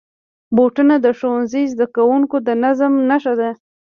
بوټونه د ښوونځي زدهکوونکو د نظم نښه ده.